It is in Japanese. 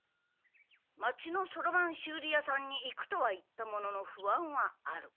町のそろばん修理屋さんに行くとは言ったものの不安はある。